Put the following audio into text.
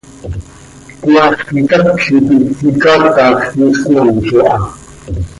Cmaax itacl ipi icaatax iscmamzo aha.